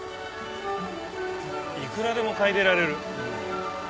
いくらでも嗅いでられる。